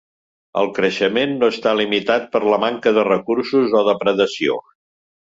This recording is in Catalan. El creixement no està limitat per la manca de recursos o depredació.